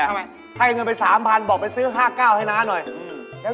หวยนี่อักษรก็บ่งบอกอยู่แล้ว